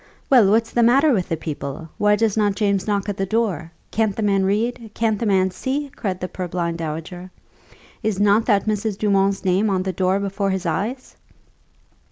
Well, what's the matter with the people? Why does not James knock at the door? Can't the man read? Can't the man see?" cried the purblind dowager. "Is not that Mrs. Dumont's name on the door before his eyes?"